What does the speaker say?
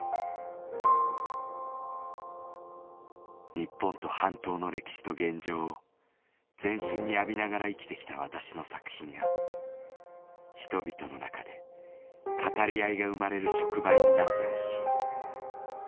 「日本と半島の歴史と現状を全身に浴びながら生きてきた私の作品が人々の中で語り合いが生まれる触媒になってほしい」。